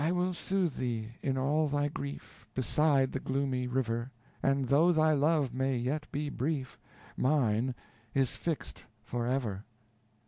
I will soothe thee, in all thy grief, Beside the gloomy river; And though thy love may yet be brief; Mine is fixed forever.